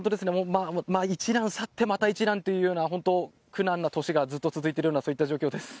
まあ、一難去ってまた一難というような、本当、苦難な年がずっと続いているようなそういった状況です。